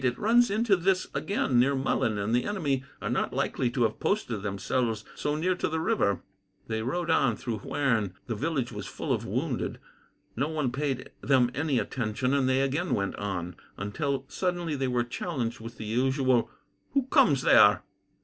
It runs into this again, near Mullen, and the enemy are not likely to have posted themselves so near to the river." They rode on through Huerne. The village was full of wounded. No one paid them any attention, and they again went on, until suddenly they were challenged with the usual "Who comes there?"